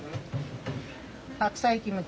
白菜キムチ。